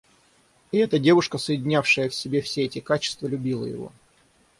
И эта девушка, соединявшая в себе все эти качества, любила его.